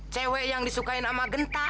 cewek yang disukain sama gentar